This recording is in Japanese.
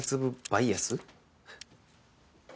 バイアス。